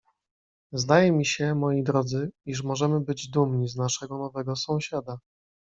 "Zdaje mi się, moi drodzy, iż możemy być dumni z naszego nowego sąsiada."